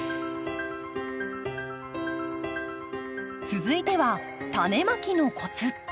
続いてはタネまきのコツ。